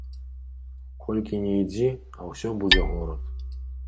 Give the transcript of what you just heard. Колькі ні ідзі, а ўсё будзе горад.